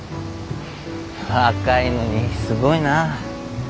若いのにすごいな。